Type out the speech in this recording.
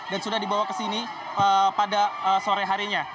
dan sudah dibawa ke sini pada sore harinya